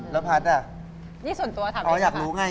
แล้วพัทย์อยากรู้ไง